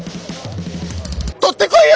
とってこいよ！